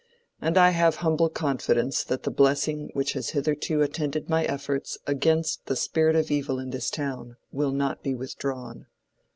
And I have humble confidence that the blessing which has hitherto attended my efforts against the spirit of evil in this town will not be withdrawn.